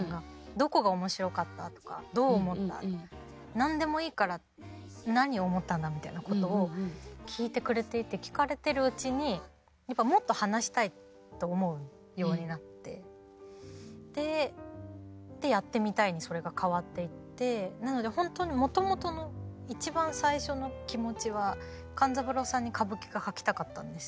「どこが面白かった？」とか「どう思った？」とか何でもいいから何を思ったんだみたいなことを聞いてくれていて聞かれてるうちにもっと話したいと思うようになってでやってみたいにそれが変わっていってなので本当にもともとの一番最初の気持ちは勘三郎さんに歌舞伎が書きたかったんです